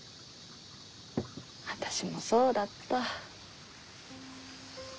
私もそうだった。